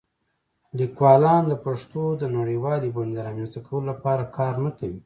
لیکوالان د پښتو د نړیوالې بڼې د رامنځته کولو لپاره کار نه کوي.